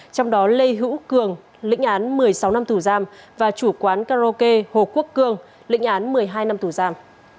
trong đó lê hữu cường lĩnh án một mươi sáu năm tù giam và chủ quán karaoke hồ quốc cương lĩnh án một mươi hai năm tù giam